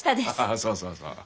あそうそうそう。